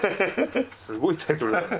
すごいタイトルだね。